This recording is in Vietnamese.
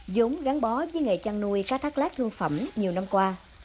dũng gắn bó với nghệ trang nuôi cá thác lát thương phẩm nhiều năm qua